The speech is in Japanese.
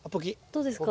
どうですか？